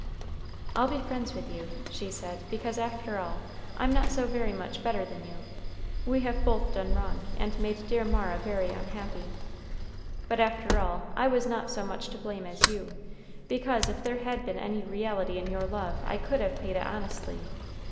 "I'll be friends with you," she said, "because, after all, I'm not so very much better than you. We have both done wrong, and made dear Mara very unhappy. But after all, I was not so much to blame as you; because, if there had been any reality in your love, I could have paid it honestly.